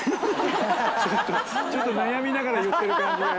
ちょっとちょっと悩みながら言ってる感じが。